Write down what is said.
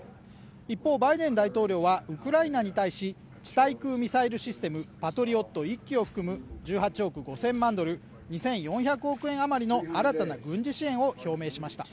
一方、バイデン大統領はウクライナに対し地対空ミサイルシステムパトリオット１機を含む１８億５０００万ドル、２４００億円余りの新たな軍事支援を表明しました。